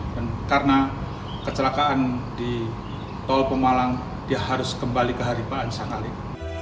dan karena kecelakaan di tol pemalang dia harus kembali ke haripaan sangat